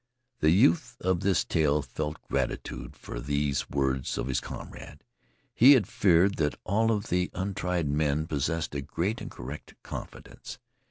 The youth of this tale felt gratitude for these words of his comrade. He had feared that all of the untried men possessed a great and correct confidence.